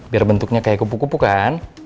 biar bentuknya kayak kupu kupu kan